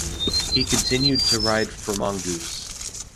He continued to ride for Mongoose.